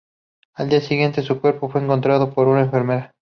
Al día siguiente su cuerpo fue encontrado por una enfermera.